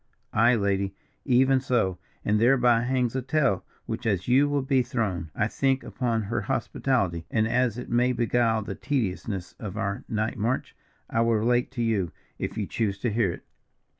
"Aye, lady, even so! and thereby hangs a tale, which, as you will be thrown, I think, upon her hospitality, and as it may beguile the tediousness of our night march, I will relate to you, if you choose to hear it."